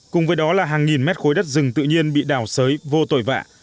cùng với đó là hàng nghìn mét khối đất rừng tự nhiên bị đào sới vô tội vạ